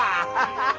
ハハハハ。